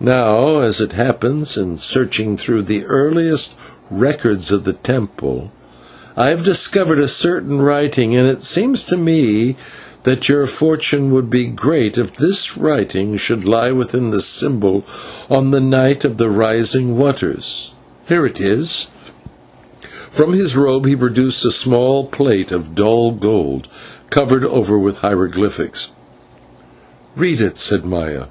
Now, as it happens, in searching through the earliest records of the temple, I have discovered a certain writing, and it seems to me that your fortune would be great if this writing should lie within the symbol on the night of the Rising of Waters. Here it is " And from his robe he produced a small plate of dull gold, covered over with hieroglyphics. "Read it," said Maya.